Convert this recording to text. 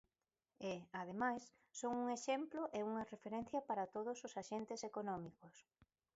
E, ademais, son un exemplo e unha referencia para todos os axentes económicos.